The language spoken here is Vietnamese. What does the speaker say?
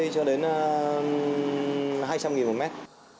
cho đến hai trăm linh một mét